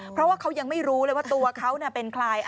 เพราะว่าเขายังไม่รู้เลยว่าตัวเขาเป็นใคร